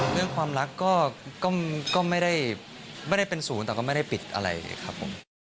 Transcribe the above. เรื่องความรักก็ไม่ได้เป็นศูนย์แต่ก็ไม่ได้ปิดอะไรครับผม